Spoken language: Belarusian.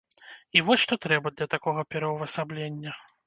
І вось што трэба для такога пераўвасаблення.